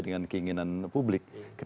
dengan keinginan publik